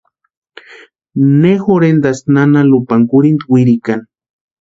Ne jorhentaski nana Lupani kurhinta wirikani.